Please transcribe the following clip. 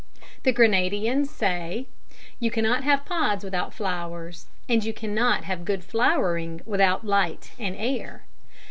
The Grenadians say: "You cannot have pods without flowers, and you cannot have good flowering without light and air."